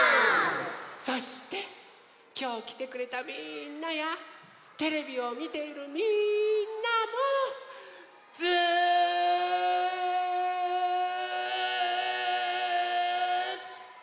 そしてきょうきてくれたみんなやテレビをみているみんなもずっと！